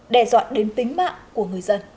đe dọa đến tính mạng của người dân